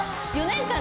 ４年間！